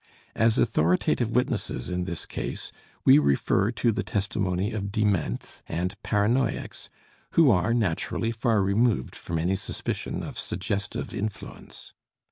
As authoritative witnesses in this case we refer to the testimony of dements and paranoiacs, who are, naturally far removed from any suspicion of suggestive influence.